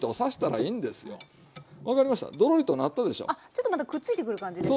ちょっとまたくっついてくる感じですね。